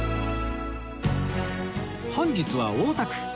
本日は大田区